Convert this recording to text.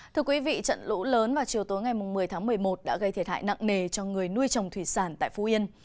trận lũ lớn vào chiều tối ngày một mươi tháng một mươi một đã gây thiệt hại nặng nề cho người nuôi trồng thủy sản tại phú yên